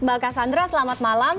mbak cassandra selamat malam